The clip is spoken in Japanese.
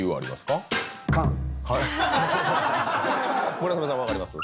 村雨さん分かります？